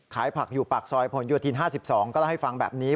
ขายผักอยู่ปากซอยพลยูทีน๕๒ก็ได้ให้ฟังแบบนี้